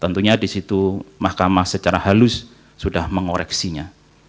tentunya di situ mahkamah secara halus sudah mengoreksinya